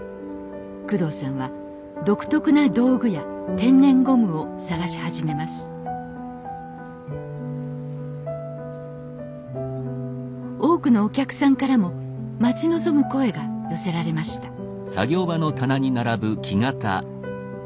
工藤さんは独特な道具や天然ゴムを探し始めます多くのお客さんからも待ち望む声が寄せられました